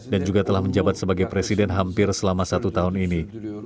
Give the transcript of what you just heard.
dan juga telah menjabat sebagai presiden hampir selama satu tahun ini